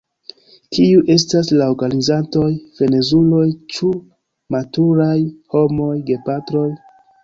Kiuj estas la organizantoj-frenezuloj, ĉu maturaj homoj, gepatroj?